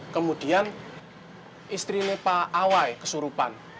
kemudian istrinya pak awai kesurupan